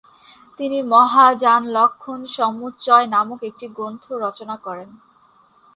তিনি মহাযানলক্ষ্মণসমুচ্চয় নামক একটি গ্রন্থ রচনা করেন।